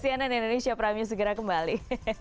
cnn indonesia prami segera kembali